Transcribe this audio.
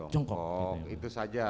jongkok itu saja